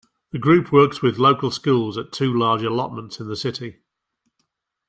The group works with local schools at two large allotments in the city.